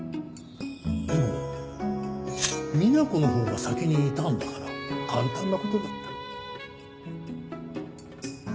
でもみな子のほうが先にいたのだから簡単な事だった。